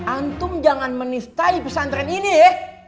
antum jangan menistai pesantren ini ya